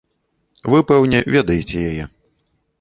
Вы, пэўне, ведаеце яе.